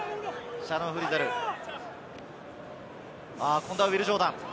今度はウィル・ジョーダン。